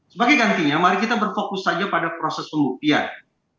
sebagai gantinya mari kita berfokus saja pada proses pembuktian